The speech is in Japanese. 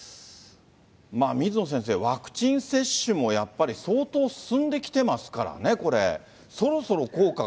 まあ水野先生、ワクチン接種もやっぱり相当進んできていますからね、これ。